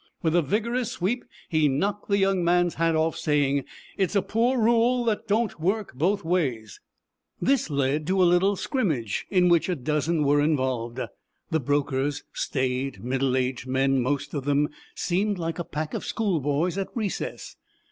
With a vigorous sweep he knocked the young man's hat off, saying, "It's a poor rule that don't work both ways." This led to a little scrimmage, in which a dozen were involved. The brokers, staid, middle aged men, most of them, seemed like a pack of school boys at recess.